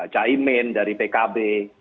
cah imen dari pkb